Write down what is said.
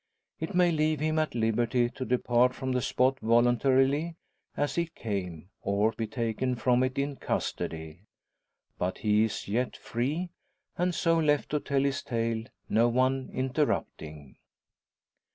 It may leave him at liberty to depart from the spot voluntarily, as he came, or be taken from it in custody. But he is yet free, and so left to tell his tale, no one interrupting.